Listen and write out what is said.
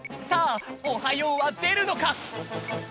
さあ「おはよう」はでるのか！？